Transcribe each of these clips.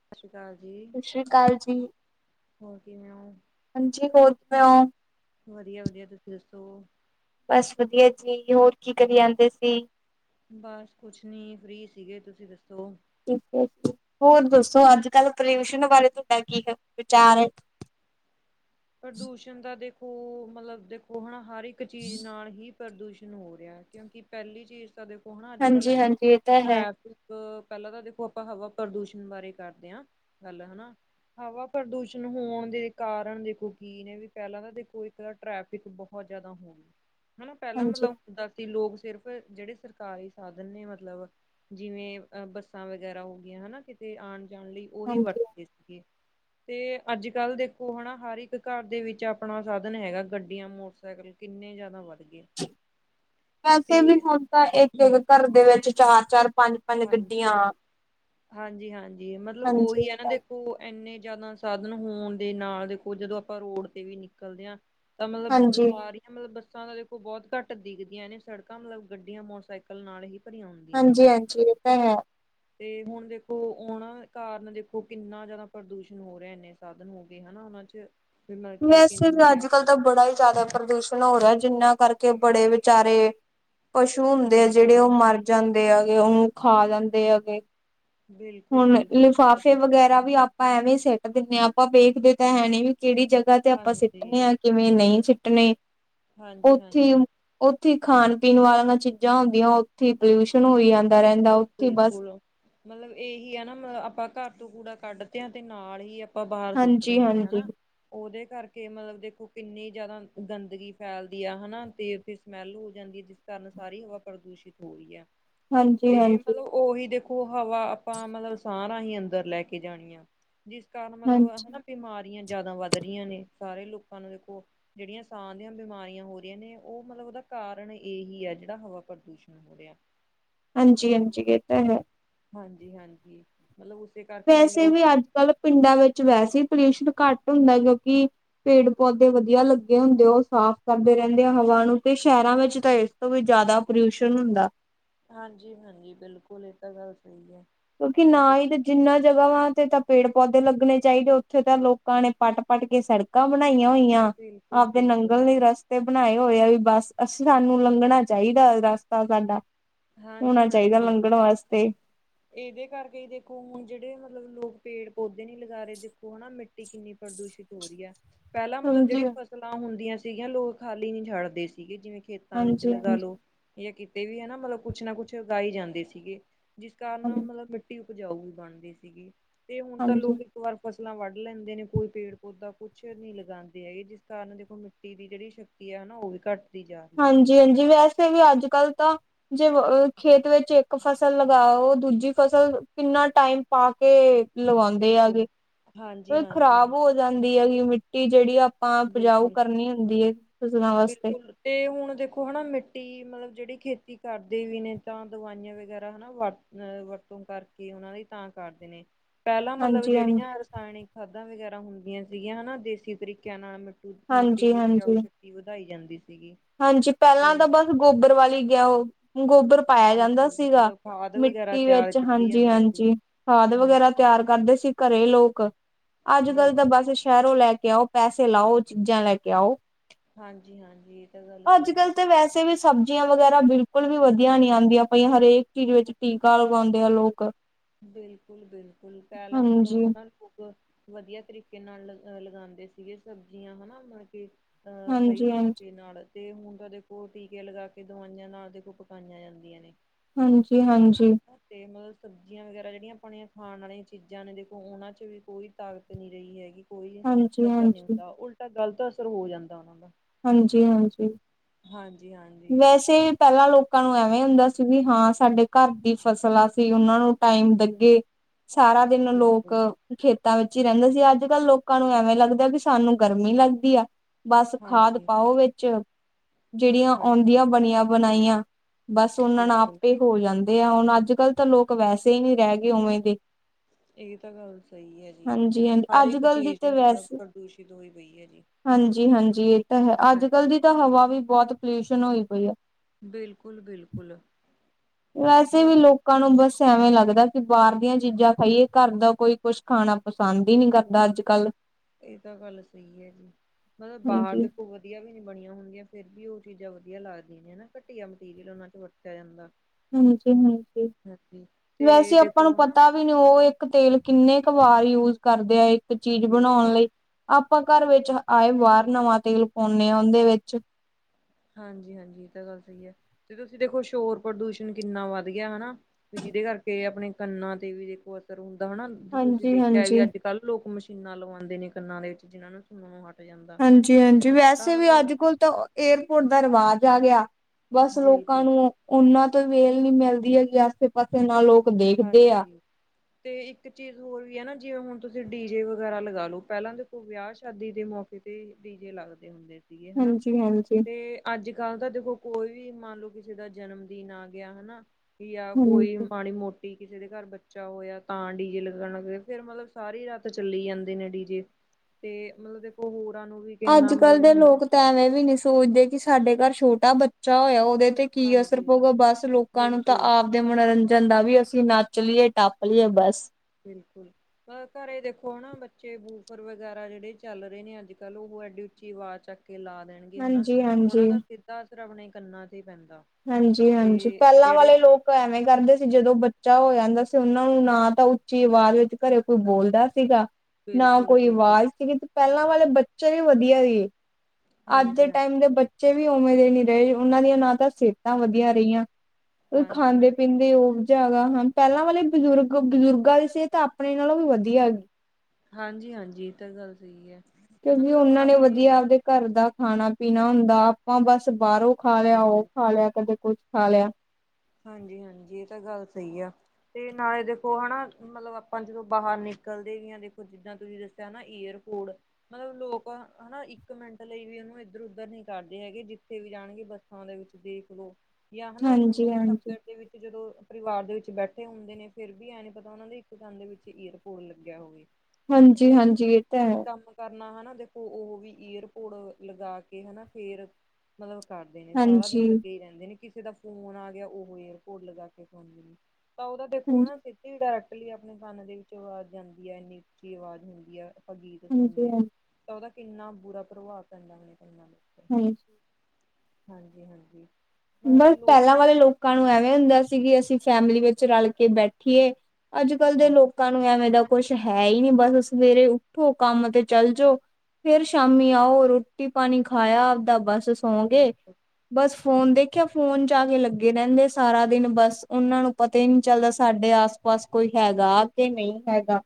ਸਤਿ ਸ਼੍ਰੀ ਅਕਾਲ ਜੀ ਸ੍ਰੀ ਅਕਾਲ ਜੀ, ਹੋਰ ਕਿਵੇਂ ਹੋ ਹਾਂਜੀ ਹੋਰ ਤ ਮਂ ਹੋ ਵਧੀਆ ਵਧੀਆ ਤੁਸੀਂ ਦੱਸੋ ਬਸ ਵਧੀਆ ਜੀ ਹੋਰ ਕੀ ਕਰੀ ਜਾਂਦੇ ਸੀ ਬਸ ਕੁਛ ਨਹੀਂ ਫ੍ਰੀ ਸੀਗੇ ਤੁਸੀਂ ਦੱਸੋ ਠੀਕ ਹੈ ਜ ਹੋਰ ਦੱਸੋ ਅੱਜ ਕੱਲ ਪੋਲਿਊਸ਼ਨ ਬਾਰੇ ਤੁਹਾਡਾ ਕੀ ਵਿਚਾਰ ਹੈ ਪ੍ਰਦੂਸ਼ਣ ਤਾ ਦੇਖੋ ਮਤਲਬ ਦੇਖੋ ਹਨਾ ਹਰ ਇੱਕ ਚੀਜ਼ ਨਾਲ ਹੀ ਪ੍ਰਦੂਸ਼ਣ ਹੋ ਰਿਹਾ ਕਿਉਂਕਿ ਪੈਲੀ ਚੀਜ਼ ਤਾਂ ਦੇਖੋ ਹਨਾ ਅੱਜ ਕੱਲ ਹਾਂਜੀ ਹਾਂਜੀ ਇਹ ਤਾਂ ਹੈ, ਇੱਕ ਪੈਲਾਂ ਤਾਂ ਦੇਖੋ ਆਪਾਂ ਹਵਾ ਪ੍ਰਦੂਸ਼ਣ ਬਾਰੇ ਕਰਦੇ ਹਾਂ ਗੱਲ ਹਨਾ ਹਵਾ ਪ੍ਰਦੂਸ਼ਣ ਹੋਣ ਦੇ ਕਾਰਨ ਜੇ ਕੀ ਨੇ ਵੀ ਪਹਿਲਾਂ ਤਾਂ ਦੇਖੋ, ਇੱਕ ਤਾਂ ਟ੍ਰੈਫਿਕ ਬਹੁਤ ਜ਼ਿਆਦਾ ਹੋਣ ਹਨਾ ਪਹਿਲਾਂ ਹਾਂਜੀ ਮਲਬ ਦਾਸੀ ਲੋਗ ਸਿਰਫ਼ ਜਿਹੜੇ ਸਰਕਾਰੀ ਸਾਧਨ ਨੇ ਮਤਲਬ ਜਿਵੇਂ ਬੱਸਾਂ ਵਗੈਰਾ ਹੋਗੀਆਂ ਹਨਾ। ਕਿਤੇ ਆਣ-ਜਾਣ ਲਈ ਉਹੀ ਹਾਂਜੀ। ਵਰਤਦੇ ਸੀਗੇ ਤੇ ਅੱਜ-ਕੱਲ੍ਹ ਦੇਖੋ ਹਨਾ। ਹਰ ਇੱਕ ਕ ਘਰ ਦੇ ਵਿੱਚ ਆਪਣਾ ਸਾਧਨ ਹੈਗਾ। ਗੱਡੀਆਂ, ਮੋਟਰਸਾਈਕਲ ਕਿੰਨੇ ਜ਼ਿਆਦਾ ਵੱਧਗੇ। ਵੈਸੇ ਵੀ ਹੁਣ ਤਾਂ ਇੱਕ-ਇੱਕ ਘਰ ਦੇ ਵਿੱਚ ਚਾਰ-ਚਾਰ ਹਾਂਜੀ, ਹਾਂਜੀ-ਹਾਂਜੀ ਮਤਲਬ ਹਾਂਜੀ ਉਹੀ ਐ ਨਾਂ ਦੇ ਖੋ ਇੰਨੇ ਜਿਆਦਾ ਸਾਧਨ ਹੋਣ ਦੇ ਨਾਲ ਦੇਖੋ, ਜਦੋਂ ਆਪਾਂ ਰੋਡ ਤੇ ਵੀ ਨਿਕਲਦੇ ਆ ਤਾਂ ਮਲਬ ਹਾਂਜੀ ਸਾਰੀ ਇਹ ਮਤਲਬ ਬੱਸਾਂ ਤਾਂ ਦੇਖੋ ਬਹੁਤ ਘੱਟ ਦਿੱਖਦੀਆਂ ਨੇ। ਸੜਕਾਂ, ਮਤਲਬ ਗੱਡੀਆਂ, ਮੋਟਰਸਾਈਕਲ ਨਾਲ ਹੀ ਭਰੀਆਂ ਹੁੰਦੀਆਂ ਨੇ ਜ਼ਿਆਦਾਤਰ ਹਾਂਜੀ-ਹਾਂਜੀ, ਇਹ ਤਾਂ ਹੈ। ਤੇ ਹੁਣ ਦੇਖੋ, ਉਹਨਾਂ ਕਾਰਨ ਦੇਖੋ ਕਿੰਨਾ ਜ਼ਿਆਦਾ ਪ੍ਰਦੂਸ਼ਣ ਹੋ ਰਿਹਾ ਸਾਧਨ ਹੋਗੇ ਹਨਾ, ਉਹਨਾਂ 'ਚ ਵੀ ਮਤਲਬ ਕਿ ਵੈਸੇ ਕਿੰਨੀ ਗੈਸ ਅੱਜ-ਕੱਲ੍ਹ ਤਾਂ ਵਗੈਰਾ ਬੜਾ ਈ ਜ਼ਿਆਦਾ ਪ੍ਰਦੂਸ਼ਣ ਹੋ ਰਿਹਾ, ਜਿੰਨ੍ਹਾਂ ਕਰਕੇ ਬੜੇ ਵਿਚਾਰੇ ਪਸ਼ੂ ਹੁੰਦੇ ਜਿਹੜੇ ਉਹ ਮਰ ਜਾਂਦੇ ਐਗੇ। ਉਹਨੂੰ ਖਾ ਜਾਂਦੇ ਐਗੇ ਹੁਣ ਬਿਲਕੁਲ-ਬਿਲਕੁਲ-ਬਿਲਕੁਲ ਲਿਫ਼ਾਫ਼ੇ ਵਗੈਰਾ ਵੀ ਆਪਾਂ ਐਵੇਂ ਸਿੱਟ ਦਿੰਨੇ ਆ। ਆਪਾਂ ਵੇਖਦੇ ਤਾਂ ਹੈਨੀ ਵੀ ਕਿਹੜੀ ਜ ਜਗ੍ਹਾ ਤੇ ਆਪਾਂ ਸਿੱਟਣੇ ਆ, ਕਿਵੇਂ ਨਹੀਂ ਸਿੱਟਣੇ। ਉੱਥੇ ਈ ਹਾਂਜੀ-ਹਾਂਜੀ-ਹਾਂਜੀ ਉੱਥੇ ਈ ਖਾਣ-ਪੀਣ ਵਾਲੀਆਂ ਚੀਜ਼ਾਂ ਹੁੰਦੀਆਂ। ਉੱਥੇ ਈ ਪੋਲਿਊਸ਼ਨ ਹੋਈ ਜਾਂਦਾ ਰਹਿੰਦਾ, ਉੱਥੇ ਈ ਬਸ ਮਲਬ ਇਹੀ ਐ ਨਾ, ਮਲਬ ਆਪਾਂ ਘਰ ਤੋਂ ਕੂੜਾ ਕੱਢਤੇ ਆ ਤੇ ਨਾਲ ਹੀ ਆਪਾਂ ਬਾਹਰ ਸੁੱਟ ਹਾਂਜੀ ਦੇਨੇਆ ਹਾਂਜੀ ਹਨਾ। ਹਾਂਜੀ ਉਹਦੇ ਕਰਕੇ ਮਤਲਬ ਦੇਖੋ, ਕਿੰਨੀ ਜ਼ਿਆਦਾ ਗੰਦਗੀ ਫ਼ੈਲਦੀ ਆ ਹਨਾ ਤੇ ਫਿਰ ਸਮੈਲ਼ ਹੋ ਜਾਂਦੀ ਜਿਸ ਕਾਰਨ ਸਾਰੀ ਹਵਾ ਪ੍ਰਦੂਸ਼ਿਤ ਹੋਰੀ ਐ। ਹਾਂਜੀ ਤੇ ਹਾਂਜੀ ਮਤਲਬ ਉਹੀ ਦੇਖੋ ਹਵਾ ਆਪਾਂ, ਮਤਲਬ ਸਾਹ ਰਾਹੀਂ ਅੰਦਰ ਲੈ ਕੇ ਜਾਣੀ ਆ। ਜਿਸ ਕਾਰਨ ਮਤਲਬ ਹਨਾ, ਬਿਮਾਰੀਆਂ ਜ਼ਿਆਦਾ ਵੱਧ ਰਹੀਆਂ ਨੇ ਸਾਰੇ ਲੋਕਾਂ ਨੂੰ ਵੇਖੋ ਜਿਹੜੀਆਂ ਸਾਹ ਦੀਆਂ ਬਿਮਾਰੀਆਂ ਹੋ ਰਹੀਆਂ ਨੇ, ਉਹ ਮਤਲਬ ਉਹਦਾ ਕਾਰਨ ਇਹੀ ਐ। ਜਿਹੜਾ ਹਵਾ ਪ੍ਰਦੂਸ਼ਣ ਹੂੰ, ਵਧੀਆ। ਹਾਂਜੀ-ਹਾਂਜੀ ਇਹ ਤਾਂ ਹੈ। ਹਾਂਜੀ-ਹਾਂਜੀ ਮਤਲਬ ਏਸੇ ਕਰਕੇ ਦੇਖ ਵੈਸੇ ਲੋ ਵੀ ਅੱਜ ਕੱਲ੍ਹ ਪਿੰਡਾਂ ਵਿੱਚ ਵੈਸੇ ਈ ਪੋਲਿਊਸ਼ਨ ਘੱਟ ਹੁੰਦਾ। ਕਿਉਂਕਿ ਪੇੜ-ਪੌਦੇ ਵਧੀਆ ਲੱਗੇ ਹੁੰਦੇ। ਉਹ ਸਾਫ਼ ਕਰਦੇ ਰਹਿੰਦੇ ਆ ਹਵਾ ਨੂੰ ਤੇ ਸ਼ਹਿਰਾਂ ਵਿੱਚ ਤਾਂ ਇਸ ਤੋਂ ਵੀ ਜ਼ਿਆਦਾ ਪੋਲਿਊਸ਼ਨ ਹੁੰਦਾ। ਹਾਂਜੀ-ਹਾਂਜੀ, ਬਿਲਕੁਲ ਇਹ ਤਾਂ ਗੱਲ ਸਹੀ ਐ। ਕਿਉਂਕਿ ਨਾ ਈ ਤੇ ਜਿੰਨਾਂ ਜਗ੍ਹਾਵਾਂ ਤੇ ਤਾਂ ਪੇੜ-ਪੌਦੇ ਲੱਗਣੇ ਚਾਹੀਦੇ ਉੱਥੇ ਤਾਂ ਲੋਕਾਂ ਨੇ ਪੱਟ-ਪੱਟ ਕੇ ਸੜਕਾਂ ਬਣਾਈਆਂ ਹੋਈਆਂ ਬਿਲਕੁਲ ਆਪਦੇ ਬਿਲਕੁਲ ਨੰਗਲ ਲਈ ਰ ਤੇ ਬਣਾਏ ਹੋਏ ਆ ਵੀ ਬਸ, ਅਸੀਂ ਸਾਨੂੰ ਲੰਘਣਾ ਚਾਹੀਦਾ ਇਹ ਰਸਤਾ ਸਾਡਾ ਹੋਣਾ ਹਾਂਜੀ ਚਾਹੀਦਾ ਹਾਂਜੀ ਲੰਘਣ ਵਾਸਤੇ ਇਹਦੇ ਕਰਕੇ ਈ ਦੇਖੋ ਹੁਣ, ਜਿਹੜੇ ਮਤਲਬ ਲੋਕ ਪੇੜ-ਪੌਦੇ ਨੀ ਲਗਾ ਰਹੇ ਦੇਖੋ, ਹਨਾ। ਮਿ ਟੀ ਕਿੰਨੀ ਪ੍ਰਦੂਸ਼ਿਤ ਹੋ ਰੀ ਐ। ਪਹਿਲਾਂ ਮਤਲਬ ਜਿਹੜੀ ਹਾਂਜੀ ਹਾਂਜੀ ਫਸਲਾਂ ਹੁੰਦੀਆਂ ਸੀਗੀਆਂ, ਲੋਕ ਖ਼ਾਲੀ ਨੀ ਛੱਡਦੇ ਸੀਗੇ। ਜਿਵੇਂ ਖੇਤਾਂ ਵਿੱਚ ਹਾਂਜੀ ਲਗਾ ਲੋ ਹਾਂਜੀ ਜਾਂ ਕਿਤੇ ਵੀ ਹੈ ਨਾ, ਮਤਲਬ ਕੁੱਛ ਨਾ ਕੁੱਛ ਉਗਾਈ ਜਾਂਦੇ ਸੀਗੇ। ਜਿਸ ਕਾਰਨ ਹਾਂਜੀ ਮਤਲਬ ਮਿੱਟੀ ਉਪਜਾਊ ਵੀ ਬਣਦੀ ਸੀਗੀ ਤੇ ਹੁਣ ਤਾਂ ਲੋਕ ਇੱਕ ਵਾਰ ਫ਼ਸਲਾਂ ਵੱਢ ਲੈਂਦੇ ਨੇ, ਕੋਈ ਪੇੜ-ਪੌਦਾ ਕੁੱਛ ਨੀ ਲਗਾਉਂਦੇ ਹੈਗੇ। ਜਿਸ ਕਾਰਨ ਦੇਖੋ ਮਿੱਟੀ ਦੀ ਜਿਹੜੀ ਸ਼ ਕਿਯਾਨਾ ਉਹ ਵੀ ਘੱਟਦੀ ਜਾ ਜੀ ਹਾਂਜੀ ਵੈਸੇ ਵੀ ਅੱਜ -ਕੱਲ ਤਾਂ ਜੇ ਖੇਤ ਵਿੱਚ ਇੱਕ ਫਸਲ ਲਗਾਓ, ਦੂਜੀ ਫਸਲ ਕਿੰਨਾ ਟਾਈਮ ਪਾ ਕੇ ਲਵਾਉਂਦੇ ਆਗੇ ਬਿਲਕੁਲ ਹਾਂਜੀ ਫੇਰ ਹਾਂਜੀ ਖ਼ਰਾਬ ਹਾਂਜੀ ਹੋ ਜਾਂਦੀ ਹੈ ਕਿ ਮਿੱਟੀ ਜਿਹੜੀ ਆਪਾਂ ਉਪਜਾਊ ਬਿਲਕੁਲ ਕਰਨੀ ਹੁੰਦੀ ਹੈ ਫਸਲਾਂ ਵਾਸਤੇ ਬਿਲਕੁਲ ਤੇ ਹੁਣ ਦੇਖੋ ਹਨਾ ਮਿੱਟੀ ਮਤਲਬ ਜਿਹੜੀ ਖੇਤੀ ਕਰਦੇ ਵੀ ਨੇ ਤਾਂ ਦਵਾਈਆਂ ਵਗੈਰਾ ਹਨਾ ਵੱਧਦੀ ਅ ਵਰਤੋਂ ਕਰਕੇ ਉਹਨਾਂ ਲਈ ਤਾਂ ਕਰਦੇ ਨੇ ਪਹਿਲਾਂ ਮਤਲਬ ਹਾਂਜੀ ਜਿਹੜੀਆਂ ਰਸਾਇਣਿਕ ਖਾਦਾਂ ਵਗੈਰਾ ਹੁੰਦੀਆਂ ਸੀਗੀਆਂ ਹਨਾ ਦੇਸੀ ਤਰੀਕਿਆਂ ਨਾਲ ਮਿੱਟੀ ਹਾਂਜੀ ਹਾਂਜੀ ਦੀ ਉਪਜਾਊ ਹਾਂਜੀ ਸ਼ਕਤੀ ਵਧਾਈ ਜਾਂਦੀ ਸੀਗੀ ਹਾਂਜੀ ਪਹਿਲਾਂ ਤੇ ਤਾਂ ਬਸ ਗੋਬਰ ਵਾਲੀ ਗਿਆ ਉਹ ਗੋਬਰ ਪਾਇਆ ਜਾਂਦਾ ਹਾਂਜੀ ਸੀਗਾ ਮਤਲਬ ਖਾਦ ਵਗੈਰਾ ਮਿੱਟੀ ਤਿਆਰ ਵਿੱਚ ਕੀਤੀ ਹਾਂਜੀ- ਜਾਂਦੀ ਸੀ ਹਾਂਜੀ ਖਾਦ ਹਾਂਜੀ ਵਗੈਰਾ ਤਿਆਰ ਕਰਦੇ ਸੀ ਘਰੇ ਲੋਕ ਅੱਜ- ਕੱਲ ਤਾਂ ਬਿਲਕੁਲ ਬਸ ਸ਼ਹਿਰੋਂ ਲੈ ਕੇ ਆਓ ਪੈਸੇ ਲਾਓ ਚੀਜ਼ਾਂ ਲੈ ਕੇ ਆਓ ਹਾਂਜੀ- ਹਾਂਜੀ। ਤਾਂ ਗੱਲ ਅੱਜ ਸਹੀ ਹੈ -ਕੱਲ੍ਹ ਤਾਂ ਵੈਸੇ ਕਿਸੇ ਵੀ ਸਬਜ਼ੀਆਂ ਵਗੈਰਾ ਬਿਲਕੁਲ ਵੀ ਵਧੀਆ ਨੀ ਆਉਂਦੀਆਂ, ਪਈਆਂ ਹਰੇਕ ਚੀਜ਼ ਵਿੱਚ ਟੀਕਾ ਲਗਾਉਂਦੇ ਆ ਲੋਕ ਬਿਲਕੁਲ -ਬਿਲਕੁਲ ਪਹਿਲਾ ਹਾਂਜੀ ਮਤਲਬ ਵਧੀਆ ਤਰੀਕੇ ਨਾਲ ਲ ਲਗਾਉਂਦੇ ਸੀਗੇ, ਸਬਜ਼ੀਆਂ ਹਨਾ ਮਤਲਬ ਕੇ ਅ ਸਹੀ ਹਾਂਜੀ ਹਾਂਜੀ ਤਰੀਕੇ ਨਾਲ ਤੇ ਹੁਣ ਤਾਂ ਦੇਖੋ ਟੀਕੇ ਲਗਾ ਕੇ ਦਵਾਈਆਂ ਨਾਲ ਦੇਖੋ ਪਕਾਈਆਂ ਜਾਂਦੀਆਂ ਨੇ। ਹਾਂਜੀ -ਹਾਂਜੀ। ਅਤੇ ਮਤਲਬ ਸਬਜ਼ੀਆਂ ਵਗੈਰਾ ਜਿਹੜੀਆਂ ਆਪਣੀਆਂ ਖਾਣ ਵਾਲੀਆਂ ਚੀਜ਼ਾਂ ਨੇ ਦੇਖੋ ਉਹਨਾਂ 'ਚ ਵੀ ਕੋਈ ਤਾਕਤ ਨਹੀਂ ਰਹੀ ਹੈਗੀ। ਕੋਈ ਹਾਂਜੀ ਅਸਰ ਨਹੀਂ ਹਾਂਜੀ ਹੁੰਦਾ, ਉਲਟਾ ਗ਼ਲਤ ਅਸਰ ਹੋ ਜਾਂਦਾ ਉਹਨਾਂ ਦਾ ਹਾਂਜੀ -ਹਾਂਜੀ ਹਾਂਜੀ-ਹਾਂਜੀ, ਵੈਸੇ। ਪਹਿਲਾਂ ਲੋਕਾਂ ਨੂੰ ਐਵੇਂ ਹੁੰਦਾ ਸੀ, ਵੀ ਹਾਂ ਸਾਡੇ ਘਰ ਦੀ ਫਸਲਾਂ ਸੀ ਉਹਨਾਂ ਨੂੰ ਟਾਈਮ ਦਈਏ। ਸਾਰਾ ਦਿਨ ਲੋਕ ਬਿਲਕੁਲ ਖੇਤਾਂ ਵਿੱਚ ਹੀ ਰਹਿੰਦੇ ਸੀ, ਅੱਜ -ਕੱਲ੍ਹ ਲੋਕਾਂ ਨੂੰ ਐਵੇਂ ਲੱਗਦਾ ਕਿ ਸਾਨੂੰ ਗਰਮੀ ਲੱਗਦੀ ਆ ਬਸ ਖਾਦ ਪਾਓ ਵਿੱਚ ਜਿਹੜੀਆਂ ਆਉਂਦੀਆਂ ਹਾਂਜੀ-ਹਾਂਜੀ, ਬਣੀਆਂ ਬਣਾਈਆਂ। ਬਸ ਉਹਨਾਂਣ ਬਿਲਕੁਲ। ਆਪੇ ਹੋ ਜਾਂਦੇ ਆ ਹੁਣ ਅੱਜ- ਕੱਲ੍ਹ ਤਾਂ ਲੋਕ ਵੈਸੇ ਹੀ ਨਹੀਂ ਰਹਿ ਗਏ ਉਵੇਂ ਦੇ ਇਹ ਤਾਂ ਗੱਲ ਸਹੀ ਹੈ, ਜੀ ਹਾਂਜੀ ਹਾਂਜੀ ਹਰ ਅੱਜ ਇੱਕ ਕੱਲ੍ਹ ਦੀ ਚੀਜ਼ ਤੇ ਮਤਲਬ ਵੈਸੇ ਪ੍ਰਦੂਸ਼ਿਤ ਹੋਈ ਪਈ ਹੈ ਜੀ ਹਾਂਜੀ- ਹਾਂਜੀ ਇਹ ਤਾਂ ਹੈ, ਹਾਂ ਅੱਜ -ਕੱਲ੍ਹ ਦੀ ਤਾਂ ਹਵਾ ਵੀ ਬਹੁਤ ਪੋਲਿਊਸ਼ਨ ਹੋਈ ਪਈ ਹੈ। ਬਿਲਕੁਲ -ਬਿਲਕੁਲ ਵੈਸੇ ਵੀ ਮਤਲਬ ਲੋਕ ਲੋਕਾਂ ਨੂੰ ਬਸ ਐਵੇਂ ਲੱਗਦਾ, ਕਿ ਬਾਹਰ ਦੀਆਂ ਚੀਜ਼ਾਂ ਖਾਈਏ ਘਰ ਦਾ ਕੋਈ ਕੁਛ ਖਾਣਾ ਪਸੰਦ ਹੀ ਨਹੀਂ ਕਰਦਾ ਅੱਜ- ਕੱਲ। ਇਹ ਤਾਂ ਗੱਲ ਸਹੀ ਹੈ, ਜੀ ਮਤਲਬ ਬਾਹਰ ਹਾਂਜੀ ਦੇਖੋ। ਵਧੀਆ ਵੀ ਨਹੀਂ ਬਣੀਆਂ ਹੁੰਦੀਆਂ, ਫੇਰ ਵੀ ਉਹ ਚੀਜ਼ਾਂ ਵਧੀਆ ਲੱਗਦੀਆਂ ਨੇ ਹਨਾ ਘਟੀਆ ਮਟੀਰੀਅਲ ਉਹਨਾਂ ਚ ਵਰਤਿਆ ਜਾਂਦਾ। ਹਾਂਜੀ- ਹਾਂਜੀ ਹਾਂਜੀ। ਤੇ ਵੈਸੇ ਆਪਾਂ ਨੂੰ ਦੇਖੋ ਨਾ ਪਤਾ ਨ ਉਹ ਇੱਕ ਤੇਲ ਕਿੰਨੇ ਕੁ ਵਾਰ ਯੂਜ ਕਰਦੇ ਆ ਇੱਕ ਚੀਜ਼ ਬਿਲਕੁਲ ਬਣਾਉਣ ਲਈ। ਆਪਾਂ ਘਰ ਵਿੱਚ ਆਏ ਬਾਹਰ ਨਵਾਂ ਤੇਲ ਪਾਉਂਦੇ ਹਾਂ ਉਹਦੇ ਵਿੱਚ। ਹਾਂਜੀ- ਹਾਂਜੀ ਇਹ ਤਾਂ ਗੱਲ ਸਹੀ ਹੈਤੇ ਤੁਸੀਂ ਦੇਖੋ ਸ਼ੋਰ ਪ੍ਰਦੂਸ਼ਣ ਕਿੰਨਾ ਵੱਧ ਗਿਆ ਹੈ ਵੀ ਜਿਹਦੇ ਕਰਕੇ ਆਪਣੇ ਕੰਨਾਂ ਤੇ ਵੀ ਦੇਖੋ ਅਸਰ ਹੁੰਦਾ ਹਨਾ। ਤੁਸੀਂ ਹਾਂਜੀ ਦੇਖਿਆ ਹਾਂਜੀ ਵੀ ਅੱਜ -ਕੱਲ੍ਹ ਲੋਕ ਮਸ਼ੀਨਾਂ ਲਵਾਉਂਦੇ ਨੇ ਕੰਨਾਂ ਦੇ ਵਿੱਚ ਜਿਹਨਾਂ ਨੂੰ ਸੁਣਨੋ ਹਟ ਜਾਂਦਾ। ਹਾਂਜੀ- ਹਾਂਜੀ ਤਾਂ ਵੈਸੇ ਵੀ ਮਤਲਬ ਅੱਜ- ਕਲ ਤਾਂ ਏਅਰਪੋਰਟ ਦਾ ਰਿਵਾਜ਼ ਆ ਗਿਆ। ਬਸ ਲੋਕਾਂ ਬਿਲਕੁਲ ਨੂੰ ਉਹਨਾਂ ਤੋਂ ਵੇਲ ਨੀ ਮਿਲਦੀ, ਆਸੇ -ਪਾਸੇ ਨਾ ਲੋਕ ਦੇਖਦੇ ਆ। ਹਾਂਜੀ ਤੇ ਇੱਕ ਚੀਜ਼ ਹੋਰ ਵੀ ਹੈ ਨਾ, ਜਿਵੇਂ ਹੁਣ ਤੁਸੀਂ ਡੀ ਜੇ ਵਗੈਰਾ ਲਗਾ ਲਓ, ਪਹਿਲਾਂ ਦੇਖੋ ਵਿਆਹ ਸ਼ਾਦੀ ਦੇ ਮੌਕੇ ਤੇ ਡੀਜੇ ਲੱਗਦੇ ਹੁੰਦੇ ਸੀਗੇ ਹਨਾ, ਹਾਂਜੀ ਹਾਂਜੀ ਤੇ ਅੱਜ -ਕੱਲ੍ਹ ਤਾਂ ਦੇਖੋ ਕੋਈ ਵੀ ਮੰਨ ਲਓ ਕਿਸੇ ਦਾ ਜਨਮ ਦਿਨ ਆ ਗਿਆ ਹਨਾ। ਟੀ ਆ, ਹਾਂਜੀ ਕੋਈ ਮਾੜੀ ਮੋ ਟੀ, ਕਿਸੇ ਦੇ ਘਰ ਬੱਚਾ ਹੋਇਆ ਤਾਂ ਡੀ ਜੇ ਲਗਨਗੇ, ਫਿਰ ਮਤਲਬ ਸਾਰੀ ਰਾਤ ਚੱਲੀ ਜਾਂਦੇ ਨੇ ਡੀਜੇ। ਤੇ ਮਤਲਬ ਦੇਖੋ ਹੋਰਾਂ ਨੂੰ ਵੀ ਅੱਜ ਕਿੰਨਾ -ਕੱਲ ਮਤਲਬ ਦੇ ਹੁੰਦਾ ਲੋਕ ਤਾਂ ਐਵੇਂ ਵੀ ਨਹੀਂ ਸੋਚਦੇ ਕਿ ਸਾਡੇ ਘਰ ਛੋਟਾ ਬੱਚਾ ਹੋਇਆ ਉਹਦੇ ਤੇ ਕੀ ਅਸਰ ਹਾਂਜੀ ਪਊਗਾ, ਬਸ ਲੋਕਾਂ ਨੂੰ ਤਾਂ ਬਿਲਕੁਲ ਆਪ ਦੇ ਮਨੋਰੰਜਨ ਦਾ ਵੀ, ਅਸੀਂ ਨੱਚ ਲਈਏ, ਟੱਪ ਲਈਏ ਬਸ। ਬਿਲਕੁਲ। ਘਰੇ ਦੇਖੋ ਹਨਾ, ਬੱਚੇ ਬੂਫਰ ਵਗੈਰਾ ਜਿਹੜੇ ਚੱਲ ਰਹੇ ਨੇ ਅੱਜ- ਕੱਲ, ਉਹ ਐਡੀ ਉੱਚੀ ਆਵਾਜ਼ ਚੱਕ ਕੇ ਲਾ ਦੇਣਗੇ ਹਨਾ, ਹਾਂਜੀ ਉਹਨਾਂ ਹਾਂਜੀ ਦਾ ਸਿੱਧਾ ਅਸਰ ਆਪਣੇ ਕੰਨਾਂ ਤੇ ਹੀ ਪੈਂਦਾ। ਹਾਂਜੀ, ਤੇ ਹਾਂਜੀ ਪਹਿਲਾਂ ਜਿਹੜੇ ਵਾਲੇ ਲੋਕ ਐਵੇਂ ਕਰਦੇ ਸੀ, ਜਦੋਂ ਬੱਚਾ ਹੋ ਜਾਂਦਾ ਸੀ, ਉਹਨਾਂ ਨੂੰ ਨਾ ਤਾਂ ਉੱਚੀ ਆਵਾਜ਼ ਵਿੱਚ ਘਰੇ ਕੋਈ ਬੋਲਦਾ ਸੀਗਾ। ਨਾ ਬਿਲਕੁਲ ਕੋਈ ਬਿਲਕੁਲ ਆਵਾਜ਼ ਸੀ ਕ ਪਹਿਲਾਂ ਵਾਲੇ ਬੱਚੇ ਹੀ ਵਧੀਆ ਹੀ, ਅੱਜ ਦੇ ਹਾਂਜੀ ਹਾਂਜੀ ਟਾਈਮ ਦੇ ਬੱ ਚੇ ਵੀ ਉਵੇਂ ਦੇ ਨੀ ਰਹੇ, ਉਹਨਾਂ ਦੀਆਂ ਨਾ ਤਾਂ ਸਿਹਤਾਂ ਵਧੀਆ ਰਹੀਆਂ। ਉਹ ਹਾਂਜੀ ਖਾਂਦੇ ਹਾਂਜੀ ਪੀਂਦੇ ਓ। ਹੈਗਾ ਹਾਂ, ਪਹਿਲਾਂ ਵਾਲੇ ਬਜ਼ੁਰਗ, ਬਜ਼ੁਰਗਾਂ ਦੀ ਸਿਹਤ ਆਪਣੇ ਨਾਲੋਂ ਵੀ ਵਧੀਆ ਹੈਗੀ। ਹਾਂਜੀ, ਹਾਂਜੀ ਏ ਤਾਂ ਗੱਲ ਸਹੀ ਏ। ਕਿਉਂਕਿ ਉਹਨਾਂ ਨੇ ਵਧੀਆ ਆਪਦੇ ਘਰ ਦਾ ਖਾਣਾ ਪੀਣਾ ਹੁੰਦਾ, ਆਪਾਂ ਬਸ ਬਾਹਰੋਂ ਖਾ ਲਿਆ, ਹਾਂਜੀ ਉਹ ਖਾ ਲਿਆ, ਕਦੇ ਕੁੱਛ ਖਾ ਲਿਆ। ਹਾਂਜੀ, ਹਾਂਜੀ ਇਹ ਤਾਂ ਗੱਲ ਸਹੀ ਆ। ਤੇ ਨਾਲੇ ਦੇਖੋ ਹਨਾ, ਮਤਲਬ ਆਪਾਂ ਜਦੋਂ ਬਾਹਰ ਨਿਕਲਦੇ ਵੀ ਹਾਂ 'ਦੇਖੋ ਜਿੱਦਾਂ ਤੁਸੀਂ ਦੱਸ ਨਾ ਏਅਰਪੋਡ‍ ਮਤਲਬ ਲੋਕ ਹਨਾ ਇੱਕ ਮਿੰਟ ਲਈ ਵੀ ਉਹਨੂੰ ਇੱਧਰ -ਉੱਧਰ ਨਹੀਂ ਕਰਦੇ ਹੈਗੇ, ਜਿੱਥੇ ਵੀ ਜਾਣਗੇ ਬੱ ਸਾਂ ਦੇ ਵਿੱਚ ਦੇਖ ਲਓ ਜਾਂ ਹਨਾ ਹਾਂਜੀ ਮਤਲਬ ਹਾਂਜੀ ਟੱਬਰ ਦੇ ਵਿੱਚ ਜਦੋਂ ਪਰਿਵਾਰ ਦੇ ਵਿੱਚ ਬੈਠੇ ਹੁੰਦੇ ਨੇ, ਫਿਰ ਵੀ ਐ ਨੀ ਪਤਾ ਉਹਨਾਂ ਦੇ ਇੱਕ ਕੰਨ ਦੇ ਵਿੱਚ ਏਅਰ, ਪੋਡ ਲੱਗਿਆ ਹੋਵੇ, ਹਾਂਜੀ ਹੋਰ ਹਾਂਜੀ ਇਹ ਤਾਂ ਕੋਈ ਹੈ ਕੰਮ ਕਰਨਾ ਹਨਾ 'ਦੇਖੋ ਉਹ ਵੀ ਏਅਰਪੋਡ ਲਗਾ ਕੇ ਹਨਾ ਫੇਰ ਮਤਲਬ ਕਰਦੇ ਨੇ, ਸਾਰਾ ਦਿਨ ਹਾਂਜੀ ਲੱਗੇ ਹੀ ਰਹਿੰਦੇ ਨੇ, ਕਿਸੇ ਦਾ ਫੋਨ ਆ ਗਿਆ ਉਹ ਏਅਰਪੋਡ ਲਗਾ ਕੇ ਸੁਣਦੇ ਨੇ। ਤਾਂ ਉਹਦਾ ਦੇਖੋ ਹਾਂਜੀ ਹਨਾਂ, ਡਾਇਰੈਕਟਲੀ ਆਪਣੇ ਕੰਨ ਦੇ ਵਿੱਚੋ ਆਵਾਜ਼ ਜਾਂਦੀ ਏ, ਏਨੀ ਉੱਚੀ ਆਵਾਜ਼ ਹੁੰਦੀ ਆ। ਆਪਾਂ ਗੀਤ ਹਾਂਜੀ ਸੁਣਦੇ ਹਾ, ਹਾਂਜੀ ਤਾਂ ਉਹਦਾ ਕਿੰਨਾ ਬੁਰਾ ਪ੍ਰਭਾਵ ਪੈਂਦਾ ਉਹੇ ਕੰਨਾਂ ਓਤੇ। ਹਮ। ਹਾਂਜੀ, ਹਾਂਜੀ। ਮਤਲਬ ਬਸ ਪਹਿਲਾਂ ਵਾਲੇ ਲੋਕਾਂ ਨੂੰ ਐਵੇਂ ਹੁੰਦਾ ਸੀ ਕਿ ਅਸੀਂ ਫੈਮਿਲੀ ਵਿੱਚ ਰਲ ਕੇ ਬੈਠੀਏ। ਅੱਜ -ਕੱਲ੍ਹ ਦੇ ਲੋਕ ਲੋਕਾਂ ਨੂੰ ਐਵੇਂ ਦਾ ਕੁਛ ਹੈ ਹੀ ਨਹੀਂ। ਬਸ ਸਵੇਰੇ ਉੱਠੋ ਕੰਮ ਤੇ ਚੱਲ ਜੌ। ਫਿਰ ਸ਼ਾਮੀ ਆਓ, ਰੋਟੀ -ਪਾਣੀ ਖਾਇਆ ਆਵਦਾ, ਬਸ ਸੌ ਗਏ। ਬਸ ਫੋਨ ਦੇਖ ਖਿਆ ਫੋਨ ਚ ਆ ਕੇ ਲੱਗੇ ਰਹਿੰਦੇ ਸਾਰਾ ਦਿਨ ਬਸ, ਉਹਨਾਂ ਨੂੰ ਪਤਾ ਹੀ ਨਹੀਂ ਚੱਲਦਾ ਸਾਡੇ ਆਸ ਪਾਸ ਕੋਈ ਹੈਗਾ ਕੇ ਨਹੀਂ ਹੈਗਾ।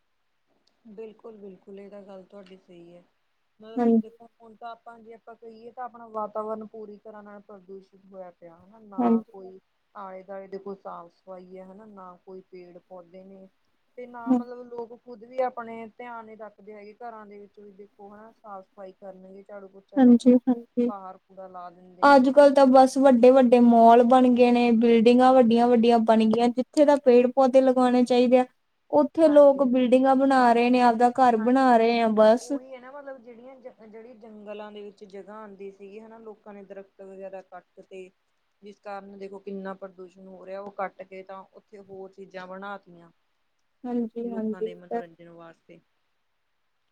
ਬਿਲਕੁਲ, ਬਿਲਕੁਲ ਇਹ ਤਾਂ ਗੱਲ ਤੁਹਾਡੀ ਸਹੀ ਹੈ। ਮਤਲਬ ਹਾਂਜੀ ਦੇਖੋ ਹੁਣ ਤਾਂ ਆਪਾਂ ਜੇ ਆਪਾਂ ਕਹੀਏ ਤਾਂ ਆਪਣਾ ਵਾਤਾਵਰਨ ਪੂਰੀ ਤਰ੍ਹਾਂ ਨਾਲ ਪ੍ਰਦੂਸ਼ਿਤ ਹੋਇਆ ਪਿ ਹਨਾ ਨਾ ਹਾਂਜੀ ਕੋਈ ਆਲੇ ਦੁਆਲੇ ਦੇ ਕੋਈ ਸਾਫ਼ ਸਫ਼ਾਈ ਹੈ ਹਨਾ ਨਾ ਕੋਈ ਪੇੜ ਪੌਦੇ ਨੇ। ਤੇ ਨਾ ਹਾਂ ਮਤਲਬ ਲੋਕ ਖੁੱਦ ਵੀ ਆਪਣੇ ਧਿਆਨ ਹੀ ਰੱਖਦੇ ਹੈਗੇ ਘਰਾਂ ਦੇ ਵਿੱਚ ਵੀ ਦੇਖੋ ਹਨਾ ਸਾਫ਼ ਸਫ਼ਾਈ ਕਰਨਗੇ ਝਾੜੂ ਪੋਚਾ ਹਾਂਜੀ ਕਰਕੇ ਹਾਂਜੀ ਬਾਹਰ ਕੂੜਾ ਲਾ ਦਿੰਦੇ ਨੇ ਅੱਜ ਹਨਾ। ਕੱਲ੍ਹ ਤਾਂ ਬਸ ਵੱਡੇ ਵੱਡੇ ਮੋਲ ਬਣ ਗਏ ਨੇ ਬਿਲਡਿੰਗਾਂ ਵੱਡੀਆਂ ਵੱਡੀਆਂ ਬਣ ਗਈਆਂ ਜਿੱਥੇ ਦਾ ਪੇੜ ਪੌਦੇ ਲਗਾਉਣੇ ਚਾਹੀਦੇ ਆ ਉੱਥੇ ਲੋਕ ਹਾਂਜੀ ਬਿਲਡਿੰਗਾਂ ਬਣਾ ਰਹੇ ਨੇ ਆਪਦਾ ਘਰ ਹਾਂਜੀ ਬਣਾ ਰਹੇ ਆ ਬਸ ਉਹੀ ਮਤਲਬ ਜਿਹੜੀਆਂ ਜਿਹੜੀ ਜੰਗਲਾਂ ਦੇ ਵਿੱਚ ਜਗ੍ਹਾ ਆਉਂਦੀ ਸੀਗੀ ਹਨਾ ਲੋਕਾਂ ਨੇ ਦਰਖਤ ਵਗੈਰਾ ਕੱਟਕੇ ਤੁਸੀ ਜਿਸ ਕਾਰਨ ਦੇਖੋ ਕਿੰਨਾ ਪ੍ਰਦੂਸ਼ਣ ਹੋ ਰਿਹਾ ਉਹ ਕੱਟ ਕੇ ਤਾਂ ਉੱਥੇ ਹੋਰ ਚੀਜ਼ਾਂ ਬਣਾਤਿਆ। ਹਾਂਜੀ ਲੋਕਾਂ ਹਾਂਜੀ ਇਹ ਦੇ ਤਾਂ ਮਨੋਰੰਜਨ ਵਾਸਤੇ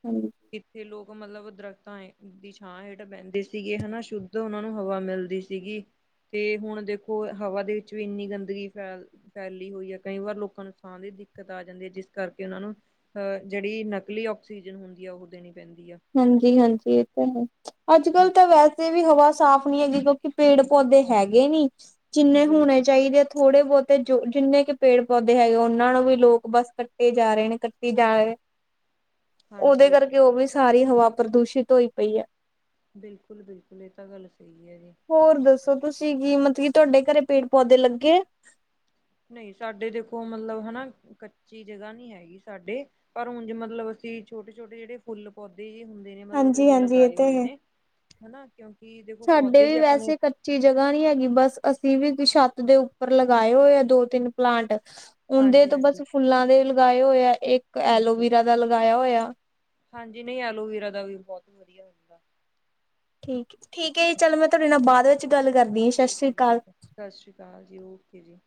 ਹਾਂਜੀ ਕਿੱਥੇ ਲੋਕ ਮਤਲਬ ਦਰਖਤਾਂ ਦੀ ਛਾਂ ਹੇਠ ਬਹਿੰਦੇ ਸੀਗੇ ਹਨਾ ਸ਼ੁੱਧ ਉਹਨਾਂ ਨੂੰ ਹਵਾ ਮਿਲਦੀ ਸੀ। ਸੀਗੀ ਤੇ ਹੁਣ ਦੇਖੋ ਹਵਾ ਦੇ ਵਿੱਚ ਵੀ ਇੰਨੀ ਗੰਦਗੀ ਫੈਲ ਫੈਲੀ ਹੋਈ ਹੈ ਕਈ ਵਾਰ ਲੋਕਾਂ ਨੂੰ ਸਾਹ ਦੀ ਦਿੱਕਤ ਆ ਜਾਂਦੀ ਹੈ। ਜਿਸ ਕਰਕੇ ਉਹਨਾਂ ਨੂੰ ਅਹ ਜਿਹੜੀ ਨਕਲੀ ਆਕਸੀਜਨ ਹੁੰਦੀ ਆ ਉਹ ਦੇਣੀ ਪੈਂਦੀ ਆ। ਹਾਂਜੀ ਹਾਂਜੀ ਇਹ ਤਾਂ ਹੈ ਅੱਜ ਹਾਂ ਕੱਲ੍ਹ ਤਾਂ ਵੈਸੇ ਵੀ ਹਵਾ ਸਾਫ਼ ਨਹੀਂ ਹੈਗੀ ਕਿਉਂਕਿ ਪੇੜ ਪੌਦੇ ਹੈਗੇ ਨੀ ਜਿੰਨੇ ਬਿਲਕੁਲ ਹੋਣੇ ਚਾਹੀਦੇ ਥੋੜੇ ਬਹੁਤੇ ਜੋ ਜਿੰਨੇ ਕਿ ਪੇੜ ਪੌਦੇ ਹੈਗੇ ਉਹਨਾਂ ਨੂੰ ਵੀ ਲੋਕ ਬਸ ਕੱਟੇ ਜਾ ਰਹੇ ਨੇ ਕੱਟੀ ਜਾ ਰਹੇ। ਉਹਦੇ ਹਾਂਜੀ ਇਹ ਤਾਂ ਕਰਕੇ ਉਹ ਵੀ ਸਾਰੀ ਹਵਾ ਪ੍ਰਦੂਸ਼ਿਤ ਹੋਈ ਪਈ ਹੈ। ਬਿਲਕੁਲ ਬਿਲਕੁਲ ਇਹ ਤਾਂ ਗੱਲ ਸਹੀ ਹੈ ਜੀ। ਹੋਰ ਦੱਸੋ ਤੁਸੀਂ ਕੀ ਮਤਲਬ ਕੀ ਤੁਹਾਡੇ ਘਰੇ ਪੇੜ ਪੌਦੇ ਲੱਗੇ? ਨਹੀਂ ਸਾਡੇ ਦੇਖੋ ਮਤਲਬ ਹਨਾ ਕੱਚੀ ਜਗ੍ਹਾ ਨਹੀਂ ਹੈਗੀ ਸਾਡੇ। ਪਰ ਹੁਣ ਜੇ ਮਤਲਬ ਅਸੀਂ ਛੋਟੇ ਛੋਟੇ ਜਿਹੜੇ ਫੁੱਲ ਪੌਦੇ ਜੇ ਹੁੰਦੇ ਨੇ ਮਤਲਬ ਹਾਂਜੀ ਉਹ ਹਾਂਜੀ ਇਹ ਲਗਾਏ ਤੇ ਹੋਏ ਹੈ। ਨੇ ਹਨਾ ਕਿਉਂਕਿ ਦੇਖੋ ਪੌਦੇ ਜੇ ਆਪਣੇ ਉੱਚੀ ਜਗਾ ਨੀ ਹੈਗੀ ਬਸ ਅਸੀਂ ਵੀ ਛੱਤ ਦੇ ਉੱਪਰ ਲਗਾਏ ਹੋਏ ਆ ਦੋ ਤਿੰਨ ਪਲਾਂਟ। ਉਹਦੇ ਹਾਂਜੀ ਤੋਂ ਬਸ ਹਾਂਜੀ ਫੁੱਲਾਂ ਦੇ ਲਗਾਏ ਹੋਏ ਆ ਇੱਕ ਬਿਲਕੁਲ ਐਲੋਵੀਰਾ ਦਾ ਲਗਾਇਆ ਹੋਇਆ। ਹਾਂਜੀ ਨਹੀਂ ਐਲੋਵੇਰਾ ਦਾ ਵੀ ਬਹੁਤ ਵਧੀਆ ਹੁੰਦਾ। ਠੀਕ ਠੀਕ ਹੈ ਜੀ ਚਲੋ ਮੈਂ ਤੁਹਾਡੇ ਨਾਲ ਬਾਅਦ ਵਿੱਚ ਗੱਲ ਕਰਦੀ ਹਾਂ ਸਤਿ ਠੀਕ ਸ੍ਰੀ ਹੈ ਜੀ ਅਕਾਲ। ਠੀਕ ਹੈ ਸਤਿ ਸ਼੍ਰੀ ਅਕਾਲ ਜੀ ਓਕੇ ਜੀ।